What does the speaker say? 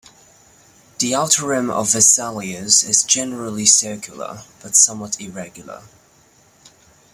The outer rim of Vesalius is generally circular but somewhat irregular.